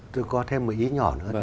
tôi có thêm một ý nhỏ nữa